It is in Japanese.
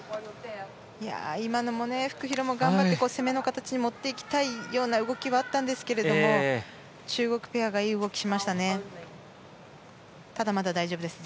今のもフクヒロも頑張って攻めの形に持っていきたいような動きはあったんですが中国ペアがいい動きをしましたね。